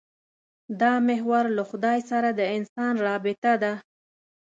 دا محور له خدای سره د انسان رابطه ده.